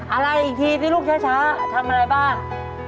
อะไรอีกทีสิลูกช้าทำอะไรบ้าง